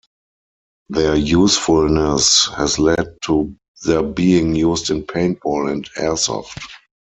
Their usefulness has led to their being used in paintball and airsoft.